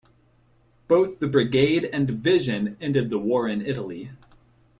Both the brigade and division ended the war in Italy.